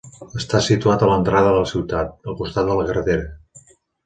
Està situat a l'entrada de la ciutat, al costat de la carretera.